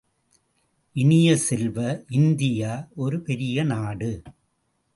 இனிய செல்வ, இந்தியா ஒரு பெரியநாடு!